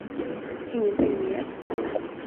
Ingenting mer?